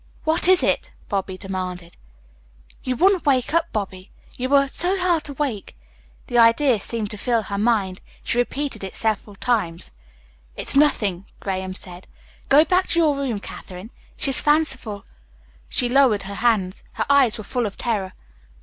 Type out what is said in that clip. "What is it?" Bobby demanded. "You wouldn't wake up, Bobby. You were so hard to wake." The idea seemed to fill her mind. She repeated it several times. "It's nothing," Graham said. "Go back to your room, Katherine. She's fanciful " She lowered her hands. Her eyes were full of terror.